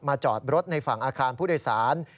จอดรถในฝั่งอาคารผู้โดยสาร